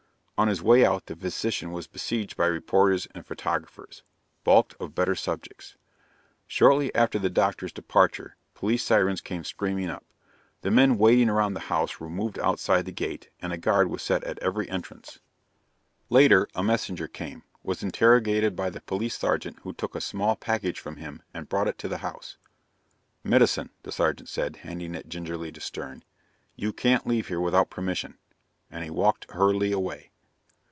On his way out, the physician was besieged by reporters and photographers, baulked of better subjects. Shortly after the doctor's departure, police sirens came screaming up. The men waiting around the house were moved outside the gate and a guard was set at every entrance. Later, a messenger came, was interrogated by the police sergeant who took a small package from him and brought it to the house. "Medicine," the sergeant said, handing it gingerly to Stern. "You can't leave here without permission." And he walked hurriedly away.